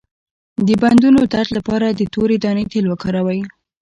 د بندونو درد لپاره د تورې دانې تېل وکاروئ